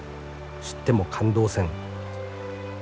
知っても感動せん。